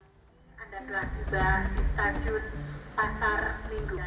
ada dua tiba di stajun pasar minggu